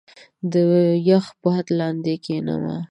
• د یخ باد لاندې کښېنه.